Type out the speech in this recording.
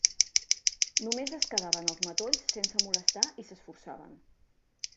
Només es quedaven als matolls sense molestar i s'esforçaven.